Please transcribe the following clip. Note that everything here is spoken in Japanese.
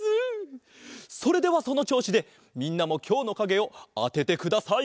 それではそのちょうしでみんなもきょうのかげをあててください。